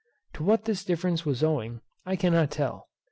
To what this difference was owing I cannot tell.